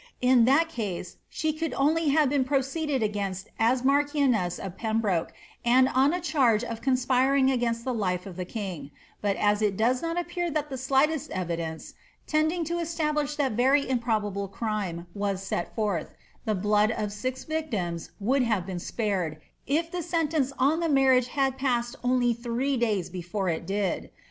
In that case, she could onlj have been proceeded against as marchioness of Pembroke, and on a charge of conspiring against the life of the king ; but as it does not appear that the slightest evidence, tending to establish that very impro bable crime, was set forth, the blood 6f six victims would have been spared, if the senteiice on the marriage had passed only three days before it did.